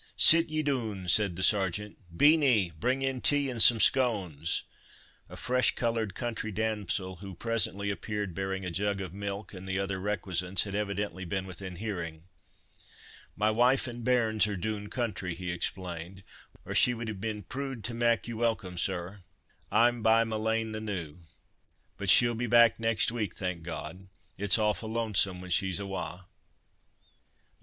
"Sit ye doon," said the Sergeant—"Beenie, bring in tea, and some scones." A fresh coloured country damsel, who presently appeared bearing a jug of milk and the other requisites, had evidently been within hearing. "My wife and bairns are doon country," he explained, "or she would have been prood to mak' you welcome, sir. I'm by ma lane the noo—but she'll be back next week, thank God; it's awfu' lonesome, when she's awa."